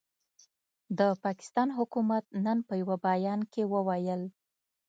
د پاکستان حکومت نن په یوه بیان کې وویل،